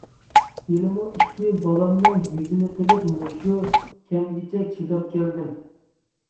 ھېلىمۇ ئىككى بالامنىڭ يۈزىنى قىلىپ مۇشۇ كەمگىچە چىداپ كەلدىم.